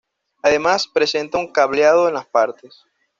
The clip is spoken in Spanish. Además presenta un cableado en las partes.